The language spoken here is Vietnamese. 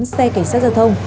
tám xe cảnh sát giao thông